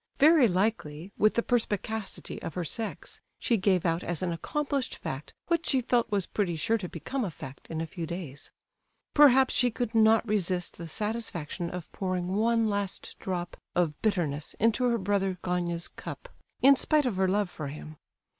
Very likely, with the perspicacity of her sex, she gave out as an accomplished fact what she felt was pretty sure to become a fact in a few days. Perhaps she could not resist the satisfaction of pouring one last drop of bitterness into her brother Gania's cup, in spite of her love for him.